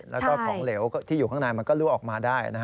แล้วก็ของเหลวที่อยู่ข้างในมันก็ลั่วออกมาได้